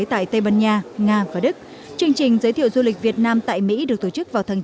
tại tây ban nha nga và đức chương trình giới thiệu du lịch việt nam tại mỹ được tổ chức vào tháng chín